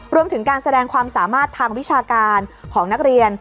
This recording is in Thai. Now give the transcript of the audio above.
รวมถึงการแสดงความสามารถทางวิชาการของนักเรียน